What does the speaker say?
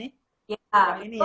yang ini ya